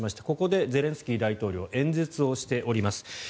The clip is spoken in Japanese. ここでゼレンスキー大統領が演説をしております。